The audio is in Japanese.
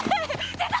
出た！